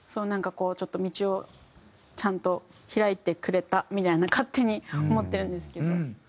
なんかこうちょっと道をちゃんと開いてくれたみたいな勝手に思ってるんですけど。